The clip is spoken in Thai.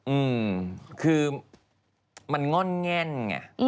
อืมคือมันง่อนแง่นไง